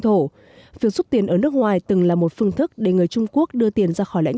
thổ việc xúc tiền ở nước ngoài từng là một phương thức để người trung quốc đưa tiền ra khỏi lãnh